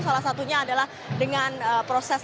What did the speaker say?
salah satunya adalah dengan proses